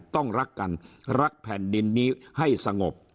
ต้องรักกันรักแผ่นดินนี้ให้สงบ